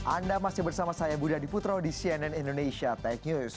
anda masih bersama saya budi adiputro di cnn indonesia tech news